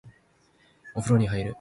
お風呂に入る